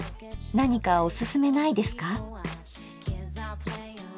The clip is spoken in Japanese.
何かおすすめないですか？